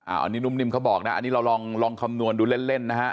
อันนี้นุ่มนิ่มเขาบอกนะอันนี้เราลองคำนวณดูเล่นนะฮะ